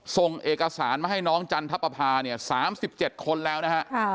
ส่งเอกสารมาให้น้องจันทรัพพา๓๗คนแล้วนะครับ